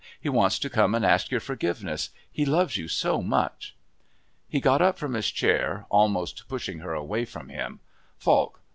He wants to come and ask your forgiveness he loves you so much." He got up from his chair, almost pushing her away from him. "Falk!